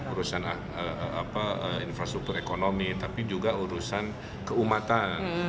urusan infrastruktur ekonomi tapi juga urusan keumatan